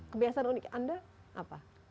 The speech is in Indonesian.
kebiasaan unik anda apa